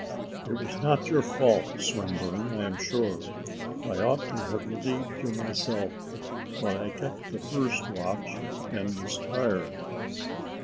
"It was not your fault, Swinburne, I am sure. I ought to have relieved you myself, but I kept the first watch and was tired.